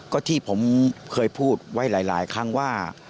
ก็ที่ผมเคยพูดไว้หลายครั้งว่า